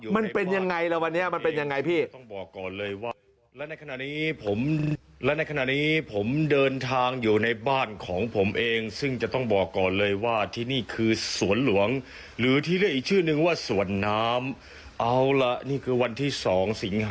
มันเป็นยังไงละวันนี้มันเป็นยังไงพี่